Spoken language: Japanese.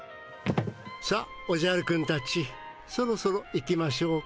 さあおじゃるくんたちそろそろ行きましょうか。